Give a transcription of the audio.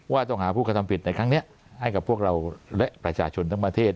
ต้องหาผู้กระทำผิดในครั้งนี้ให้กับพวกเราและประชาชนทั้งประเทศ